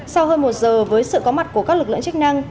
sau hơn một giờ với sự có mặt của các lực lượng chức năng